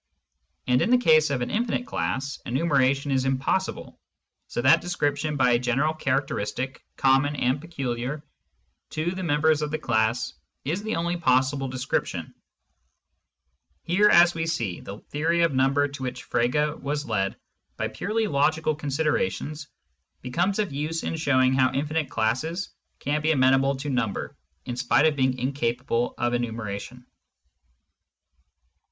And in the case of an infinite class, enumera tion is impossible, so that description by a general charac teristic common and peculiar to the members of the class is the only possible description. Here, as we see, the theory of number to which Frege was led by purely logical Digitized by Google THE POSITIVE THEORY OF INFINITY 203 considerations becomes of use in showing how infinite classes can be amenable to number in spite of being in capable of enumeration.